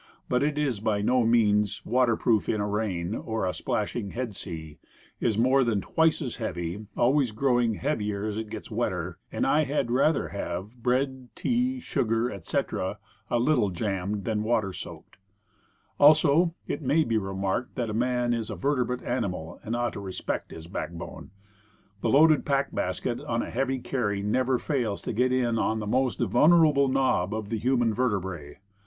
But it is by no means waterproof in a rain or a splashing head sea, is more than twice as heavy always growing heavier as it gets wetter and I had rather have bread, tea, sugar etc., a little jammed than water soaked. Also, it may be remarked that man is a vertebrate animal and ought to respect Knapsack and Ditty Bag. 9 KNAPSACK AND DITTY BAG. 10 Woodcraft, his backbone. The loaded pack basket on a heavy carry never fails to get in on the most vulnerable knob of the human vertebrae.